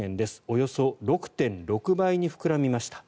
およそ６．６倍に膨らみました。